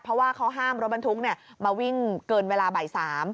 เพราะว่าเขาห้ามรถบรรทุกมาวิ่งเกินเวลาบ่าย๓